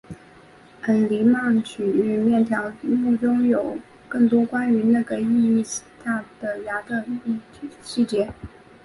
黎曼曲面条目中有更多关于那个意义下的芽的细节。